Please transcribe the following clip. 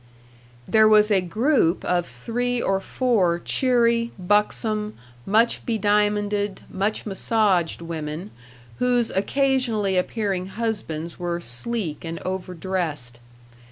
There was a group of three or four cheery, buxom, much bediamonded, much massaged women, whose occasionally appearing husbands were sleek and overdressed.